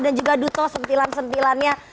dan juga duto sentilan sentilannya